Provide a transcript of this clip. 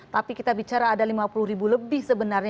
tapi kita bicara ada lima puluh ribu lebih sebenarnya